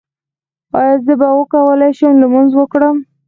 ایا زه به وکولی شم لمونځ وکړم؟